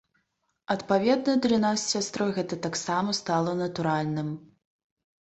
Адпаведна, для нас з сястрой гэта таксама стала натуральным.